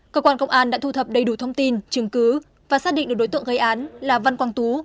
cơ quan công an đã thu thập đầy đủ thông tin chứng cứ và xác định được đối tượng gây án là văn quang tú